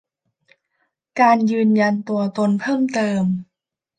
การยืนยันตัวตนเพิ่มเติม